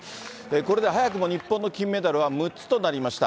これで早くも日本の金メダルは６つとなりました。